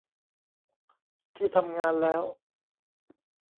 ที่ทำงานแล้ว